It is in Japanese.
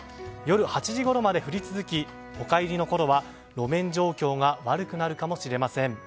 夜８時ごろまで降り続きお帰りのころは路面状況が悪くなるかもしれません。